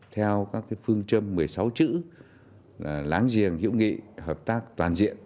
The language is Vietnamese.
theo các phương châm một mươi sáu chữ là láng giềng hiệu nghị hợp tác toàn diện